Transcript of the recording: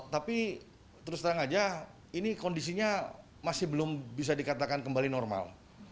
tapi terus terang aja ini kondisinya masih belum bisa dikatakan kembali normal